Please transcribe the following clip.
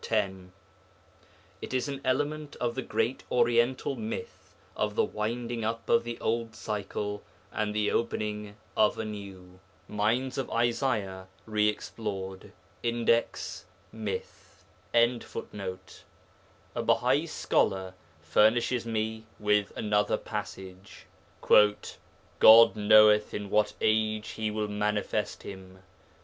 10); it is an element of the great Oriental myth of the winding up of the old cycle and the opening of a new. [Footnote: Cheyne, Mines of Isaiah Re explored, Index, 'Myth.'] A Bahai scholar furnishes me with another passage 'God knoweth in what age He will manifest him.